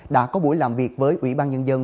đã có buổi làm việc với ủy ban nhân dân